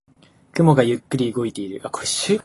雲がゆっくり動いている。